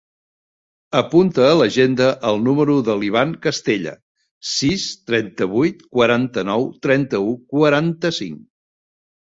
Apunta a l'agenda el número de l'Ivan Castella: sis, trenta-vuit, quaranta-nou, trenta-u, quaranta-cinc.